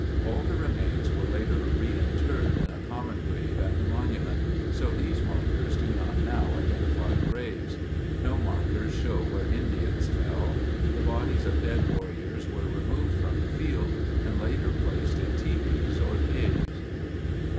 All the remains were later reinterred in a common grave at the monument, so these markers do not now identify graves. No markers show where Indians fell. The bod ies of dead warriors were re moved from the field and later placed in tipis or caves.